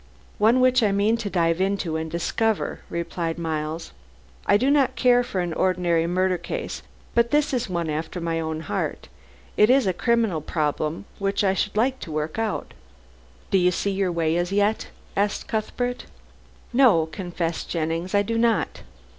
"One which I mean to dive into and discover," replied Miles. "I do not care for an ordinary murder case, but this is one after my own heart. It is a criminal problem which I should like to work out." "Do you see your way as yet?" asked Cuthbert. "No," confessed Jennings, "I do not.